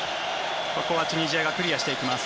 ここはチュニジアがクリアしていきます。